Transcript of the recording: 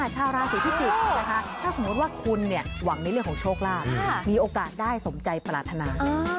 ชาวราศีพิจิกษ์นะคะถ้าสมมุติว่าคุณหวังในเรื่องของโชคลาภมีโอกาสได้สมใจปรารถนา